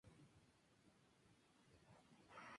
Está posiblemente nombrado por Córdoba, una ciudad de España.